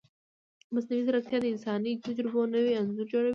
مصنوعي ځیرکتیا د انساني تجربو نوی انځور جوړوي.